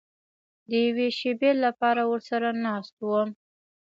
د یوې شېبې لپاره ورسره ناست وم.